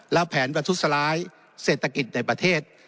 และแผนประทุษร้ายเศรษฐกิจในประเทศ